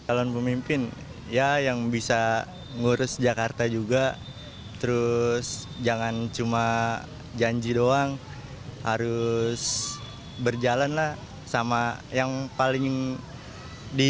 calon pemimpin ya yang bisa ngurus jakarta juga terus jangan cuma janji doang harus berjalan lah sama yang paling di